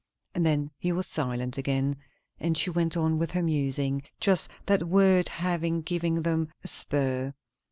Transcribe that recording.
And then he was silent again; and she went on with her musings, just that word having given them a spur.